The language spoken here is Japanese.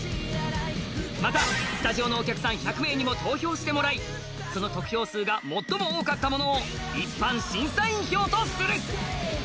またスタジオのお客さん１００名にも投票してもらいその得票が最も多かったものを一般審査員票とする。